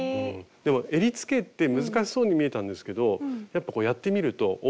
でもえりつけって難しそうに見えたんですけどやっぱやってみると覚えるとすごく楽しいですね。